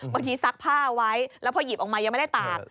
ซักผ้าไว้แล้วพอหยิบออกมายังไม่ได้ตาก